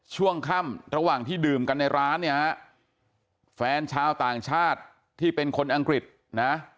ช่วงค่ำระหว่างที่ดื่มกันในร้านเนี่ยฮะแฟนชาวต่างชาติที่เป็นคนอังกฤษนะ